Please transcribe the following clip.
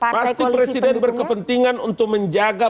pasti presiden berkepentingan untuk menjaga